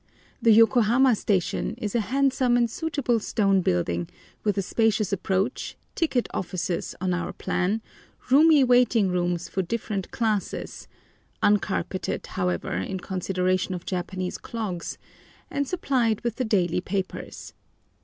The Yokohama station is a handsome and suitable stone building, with a spacious approach, ticket offices on our plan, roomy waiting rooms for different classes—uncarpeted, however, in consideration of Japanese clogs—and supplied with the daily papers.